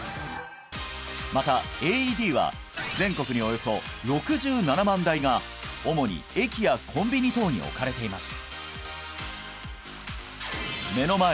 またＡＥＤは全国におよそ６７万台が主に駅やコンビニ等に置かれています